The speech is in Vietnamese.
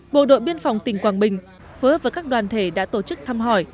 bộ đội biên phòng tỉnh quảng bình phối hợp với các đoàn thể đã tổ chức thăm hỏi